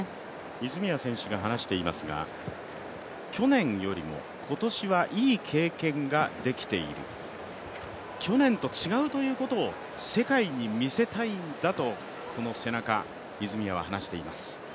泉谷選手が話していますが、去年よりも今年はいい経験ができている去年と違うということを世界に見せたいんだとこの背中、泉谷は話しています。